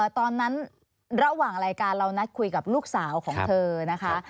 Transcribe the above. ตอนนั้นระหว่างรายการเรานัดคุยกับลูกสาวของเธอนะคะ